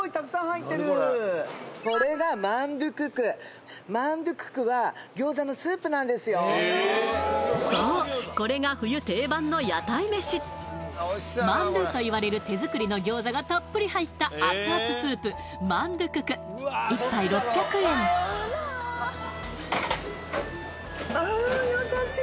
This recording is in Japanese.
これがマンドゥククマンドゥククはそうこれが冬定番の屋台めしマンドゥといわれる手作りの餃子がたっぷり入った熱々スープマンドゥクク１杯６００円ああ優しい！